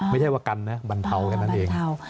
ไม่ใช่ว่ากันนะบรรเทาแค่นั้นเอง